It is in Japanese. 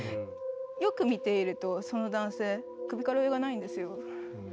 よく見ているとその男性首から上がないんですよ。